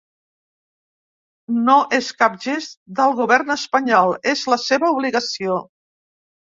No és cap gest del govern espanyol, és la seva obligació.